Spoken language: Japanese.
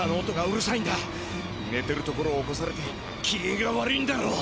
ねてるところを起こされてきげんが悪いんだろう。